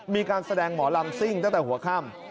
มีการแสดงหมอลำซิ่งตั้งแต่หัวค่ำ